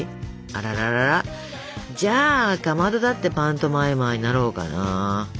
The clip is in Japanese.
あららららじゃあかまどだってパントマイマーになろうかな。